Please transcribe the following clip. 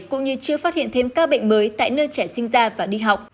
cũng như chưa phát hiện thêm ca bệnh mới tại nơi trẻ sinh ra và đi học